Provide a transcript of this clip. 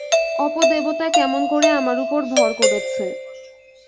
অপদেবতা কেমন করে আমার উপর ভর করেছে!